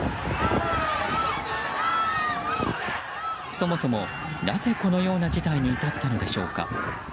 そもそも、なぜこのような事態に至ったのでしょうか。